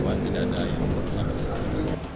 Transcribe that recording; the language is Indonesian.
tuhan tidak ada yang memperkenalkan